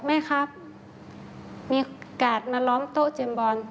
แม่ครับมีโอกาสมาล้อมโต๊ะเจมส์บอล